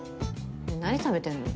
で何食べてんの？